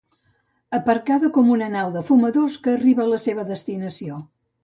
Aparcada com una nau de fumadors que arriba a la seva destinació.